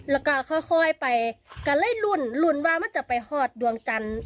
แล้วก็ค่อยไปก็เลยรุ่นรุ่นว่ามันจะไปหอดดวงจันทร์